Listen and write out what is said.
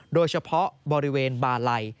โดยเฉพาะบริเวณบาลัย